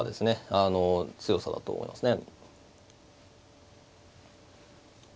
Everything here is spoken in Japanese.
あの強さだと思いますね。